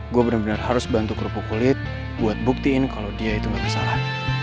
gue bener bener harus bantu kupu kulit buat buktiin kalo dia itu gak bersalah